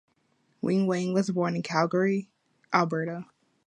Winning was born in Calgary, Alberta.